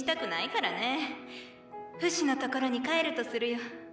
フシの所に帰るとするよ。